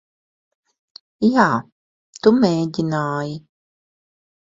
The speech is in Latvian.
Jā, tu mēģināji.